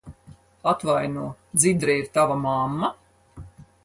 Atvaino, Dzidra ir tava mamma?